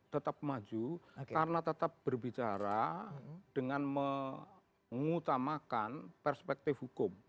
tetap maju karena tetap berbicara dengan mengutamakan perspektif hukum